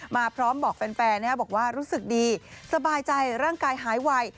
มาพร้อมบอกแฟนบอกว่ารู้สึกดีสบายใจร่างกายหายไว